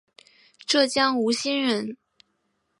浙江吴兴人。